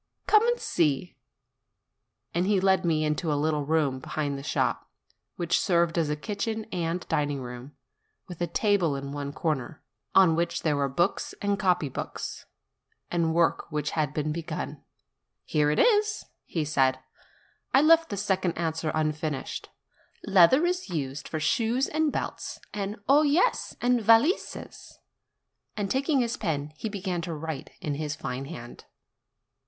"Come and see ;" and he led me into a little room behind the shop, which served as a kitchen and dining room, with a table in one corner, on which there were books and copy books, 36 NOVEMBER and work which had been begun. "Here it is," he said; "I left the second answer unfinished: Leather is used for shoes and belts, and oh yes ! and valises." And, taking his pen, he began to write in his fine hand.